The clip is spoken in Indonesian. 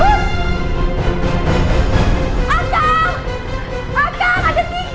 akang ada tikus